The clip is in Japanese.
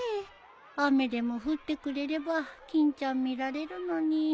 雨でも降ってくれれば欽ちゃん見られるのに。